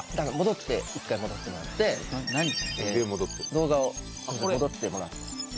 動画を戻ってもらって。